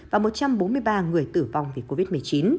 và một trăm bốn mươi ba người tử vong vì covid một mươi chín